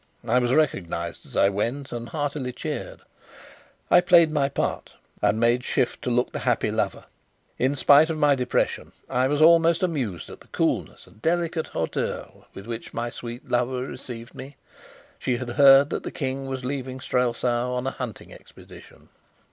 I was recognized as I went and heartily cheered. I played my part, and made shift to look the happy lover. In spite of my depression, I was almost amused at the coolness and delicate hauteur with which my sweet lover received me. She had heard that the King was leaving Strelsau on a hunting expedition.